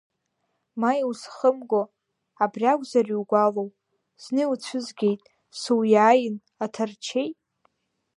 Ма иузхымго, абри акәзар иугәалоу, зны иуцәызгеит, суиааин, аҭарчеи…